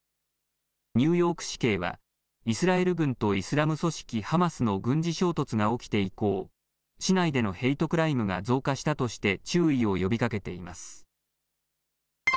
ニューヨーク市警は、イスラエル軍とイスラム組織ハマスの軍事衝突が起きて以降、市内でのヘイトクライムが増加したとして、注意を呼びかけています。